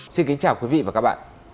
xin kính chào quý vị và các bạn